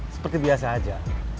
seperti biasa aja